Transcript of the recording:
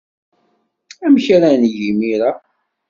Amek ara neg imir-a?